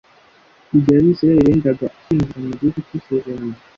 igihe abisirayeli bendaga kwinjira mu gihugu cy'isezerano